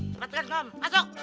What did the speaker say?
cepet kan ngom masuk